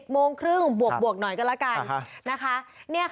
๑๐โมงครึ่งบวกหน่อยก็แล้วกัน